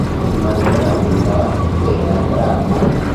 Malgranda bela dramo?